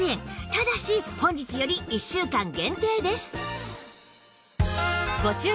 ただし本日より１週間限定です